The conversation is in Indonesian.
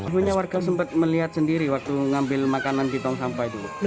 mungkin warga sempat melihat sendiri waktu ngambil makanan ditong sampai dulu